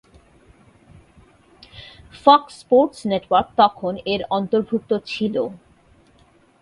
Fox Sports network তখন এর অন্তর্ভুক্ত ছিল।